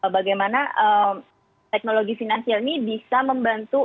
bagaimana teknologi finansial ini bisa membantu